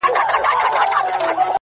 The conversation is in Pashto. • له يوه كال راهيسي ـ